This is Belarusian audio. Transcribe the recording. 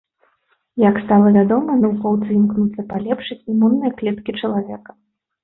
Як стала вядома, навукоўцы імкнуцца палепшыць імунныя клеткі чалавека.